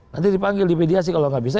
nanti dipanggil dipediasi kalau tidak bisa